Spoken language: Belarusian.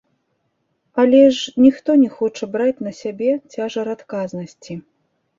Але ж ніхто не хоча браць на сябе цяжар адказнасці.